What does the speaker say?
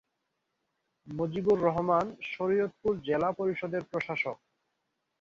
মজিবুর রহমান শরীয়তপুর জেলা পরিষদের প্রশাসক।